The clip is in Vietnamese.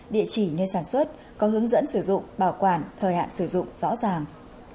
địa chỉ nơi sản xuất có hướng dẫn sử dụng bảo quản thời hạn sử dụng rõ ràng